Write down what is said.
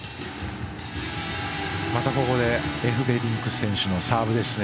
またここでエフベリンク選手のサーブですね。